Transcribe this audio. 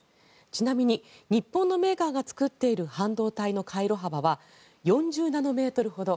ちなみに日本のメーカーが作っている半導体の回路幅は４０ナノメートルほど。